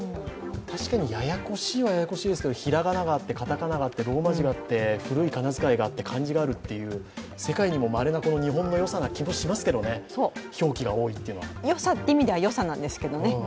確かにややこしいはややこしいですが、平仮名があって片仮名があってローマ字があって、古い仮名遣いがあって、漢字もあるという世界にもまれな、この日本のよさな気もしますけどね、よさという意味ではよさなんですけどね。